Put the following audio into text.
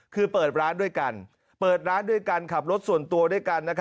คือเปิดร้านด้วยกันเปิดร้านด้วยกันขับรถส่วนตัวด้วยกัน